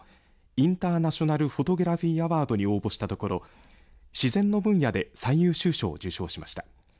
インターナショナル・フォトグラフィー・アワードに応募したところ自然の分野で最優秀賞を受賞しました。